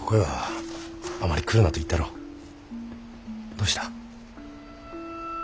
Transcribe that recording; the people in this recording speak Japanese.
どうした？